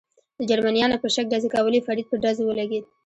د جرمنیانو په شک ډزې کولې، فرید په ډزو ولګېد.